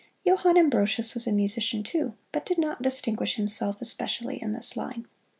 Johann Ambrosius was a musician, too, but did not distinguish himself especially in this line.